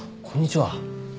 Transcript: こんにちは。